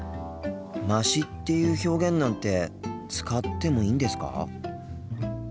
「まし」っていう表現なんて使ってもいいんですか？